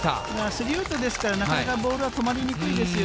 ３ウッドですから、なかなかボールは止まりにくいですよ。